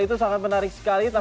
itu sangat menarik sekali